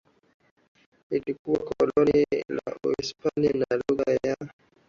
ilikuwa koloni la Hispania na lugha ya